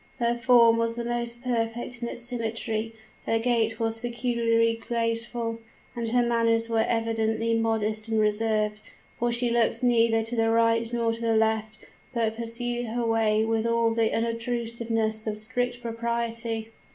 Her form was most perfect in its symmetry; her gait was peculiarly graceful, and her manners were evidently modest and reserved: for she looked neither to the right nor to the left, but pursued her way with all the unobtrusiveness of strict propriety.